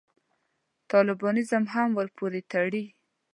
طالبانیزم هم ورپورې تړي.